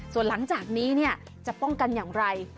ส่วนหลังจากนี้จะป้องกันอย่างไร